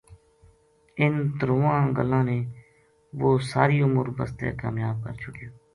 اِنھ ترواں گلاں نے وہ ساری عمر بسطے کامیاب کر چھوڈیو